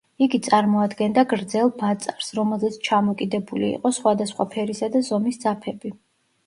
იგი წარმოადგენდა გრძელ ბაწარს, რომელზეც ჩამოკიდებული იყო სხვადასხვა ფერისა და ზომის ძაფები.